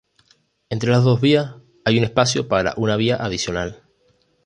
Entre las dos vías, hay un espacio para una vía adicional.